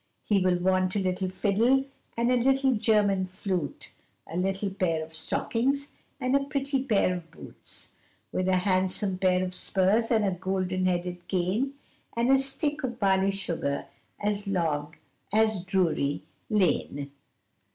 He will want a little fiddle, and a little German flute, A little pair of stockings and a pretty pair of boots, With a handsome pair of spurs and a golden headed cane, And a stick of barley sugar as long as Drury Lane.